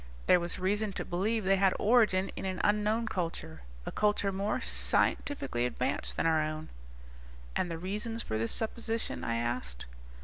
"There was reason to believe they had origin in an unknown culture. A culture more scientifically advanced than our own." "And the reasons for this supposition?" I asked.